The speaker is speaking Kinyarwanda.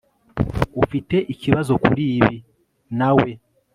ufite ikibazo kuri ibi, nawe